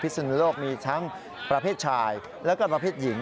สุนโลกมีทั้งประเภทชายแล้วก็ประเภทหญิง